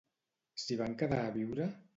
S'hi van quedar a viure?